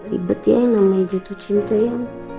ribet ya namanya jatuh cinta ya